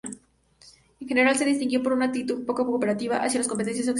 En general, se distinguió por una actitud poco cooperativa hacia las potencias occidentales.